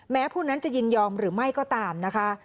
ผู้นั้นจะยินยอมหรือไม่ก็ตามนะคะ